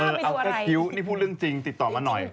เอาแค่คิ้วนี่พูดเรื่องจริงติดต่อมาหน่อย